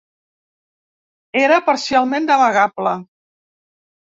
Era parcialment navegable.